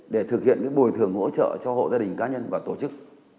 để thực hiện bồi thường hỗ trợ cho hộ gia đình cá nhân và tổ chức